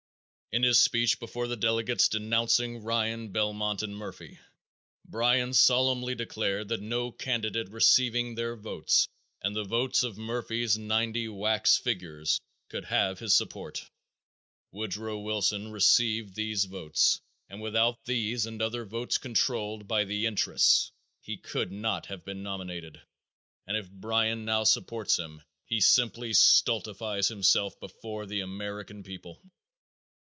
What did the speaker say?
_ In his speech before the delegates denouncing Ryan, Belmont and Murphy, Bryan solemnly declared that no candidate receiving their votes and the votes of Murphy's "ninety wax figures" could have his support. Woodrow Wilson received these votes and without these and other votes controlled by "the interests" he could not have been nominated, and if Bryan now supports him he simply stultifies himself before the American people.